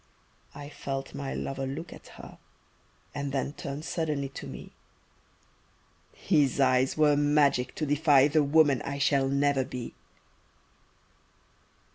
I felt my lover look at her And then turn suddenly to me, His eyes were magic to defy The woman I shall never be.